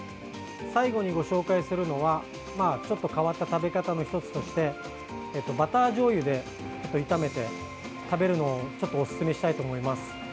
最後にご紹介するのはちょっと変わった食べ方の１つとしてバターじょうゆでちょっと炒めて食べるのをおすすめしたいと思います。